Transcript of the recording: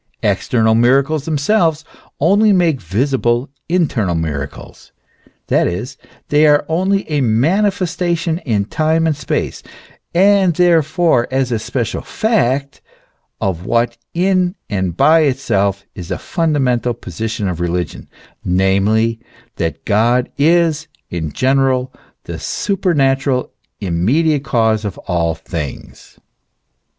External miracles themselves only make visible internal miracles, that is, they are only a manifestation in time and space, and therefore as a special fact, of what in and by itself is a fundamental position of religion, namely, that God is, in general, the supernatural, immediate cause of all things.